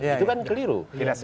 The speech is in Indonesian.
itu kan keliru